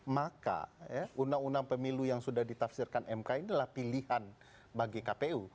maka undang undang pemilu yang sudah ditafsirkan mk ini adalah pilihan bagi kpu